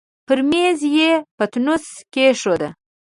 پر مېز يې پتنوس کېښود.